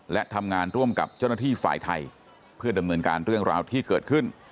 และทำงานร่วมกับเจ้าหน้าที่ฝ่ายไทยเพื่อดำเนินการเรื่องราวที่เกิดขึ้น